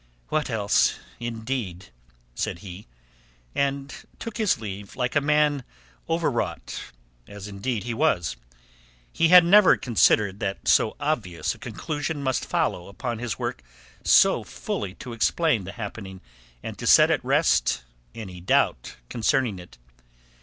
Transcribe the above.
"What else, indeed?" said he, and took his leave like a man overwrought, as indeed he was. He had never considered that so obvious a conclusion must follow upon his work so fully to explain the happening and to set at rest any doubt concerning it.